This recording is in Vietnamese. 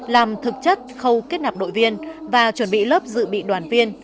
làm thực chất khâu kết nạp đội viên và chuẩn bị lớp dự bị đoàn viên